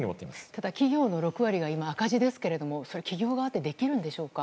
ただ企業の６割が今赤字ですけども企業側ってできるんでしょうか。